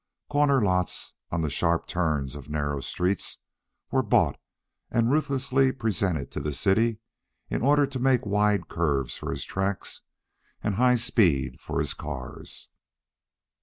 Corner lots, on the sharp turns of narrow streets, were bought and ruthlessly presented to the city in order to make wide curves for his tracks and high speed for his cars.